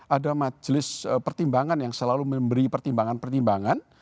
ada majelis pertimbangan yang selalu memberi pertimbangan pertimbangan